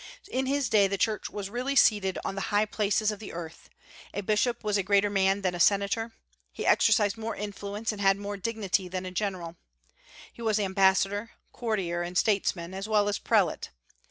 In his day the Church was really seated on the high places of the earth. A bishop was a greater man than a senator; he exercised more influence and had more dignity than a general. He was ambassador, courtier, and statesman, as well as prelate.